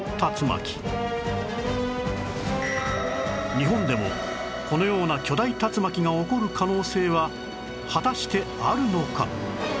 日本でもこのような巨大竜巻が起こる可能性は果たしてあるのか？